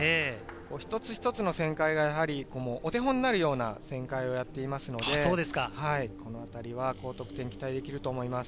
一つ一つの旋回がお手本になるような旋回をやっていますので、このあたりは高得点が期待できると思います。